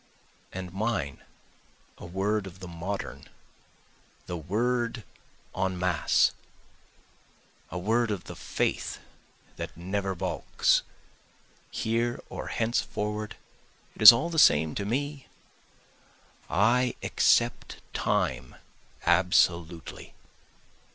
And mine a word of the modern, the word En Masse. A word of the faith that never balks, Here or henceforward it is all the same to me, I accept Time absolutely.